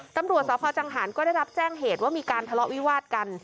ตำรวจสพจังหารก็ได้รับแจ้งเหตุว่ามีการทะเลาะวิวาดกัน